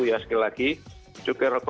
ya sekali lagi cukai rokok